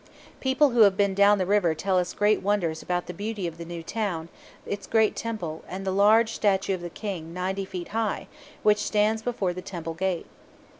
People who have been down the river tell us great wonders about the beauty of the new town, its great temple, and the huge statue of the King, 90 feet high, which stands before the temple gate.